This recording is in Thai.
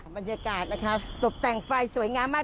บรรยากาศนะคะตกแต่งไฟสวยงามมาก